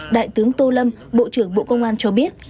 đại tướng tô lâm bộ trưởng bộ công an cho biết